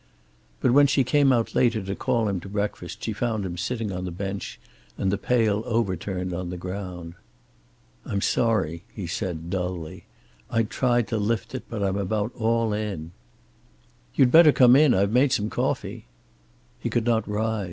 But when she came out later to call him to breakfast she found him sitting on the bench and the pail overturned on the ground. "I'm sorry," he said, dully, "I tried to lift it, but I'm about all in." "You'd better come in. I've made some coffee." He could not rise.